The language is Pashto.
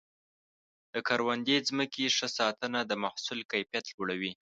د کروندې ځمکې ښه ساتنه د محصول کیفیت لوړوي.